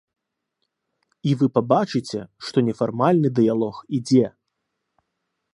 І вы пабачыце, што нефармальны дыялог ідзе.